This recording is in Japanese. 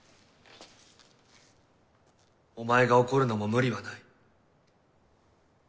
お前が怒るのも無理はない。